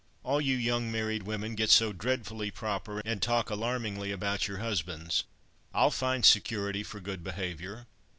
All you young married women get so dreadfully proper, and talk alarmingly about your husbands. I'll find security for good behaviour."